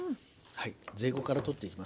はい。